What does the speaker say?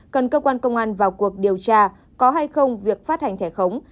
cần cơ quan công an vào cuộc điều tra có hay không việc phát hành thẻ khống